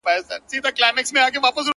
• یوه ورځ صحرايي راغی پر خبرو,